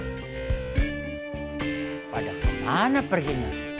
kepada kemana pergi